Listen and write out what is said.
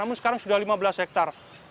namun sekarang sudah lima belas hektare